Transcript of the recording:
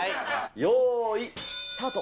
よーい、スタート。